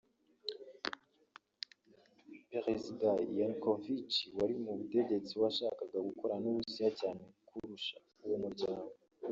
Perezida Yanukovych wari ku butegetsi we agashaka gukorana n’u Burusiya cyane kurusha uwo muryango